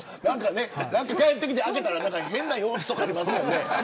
帰ってきて開けたら変な様子とかありますもんね。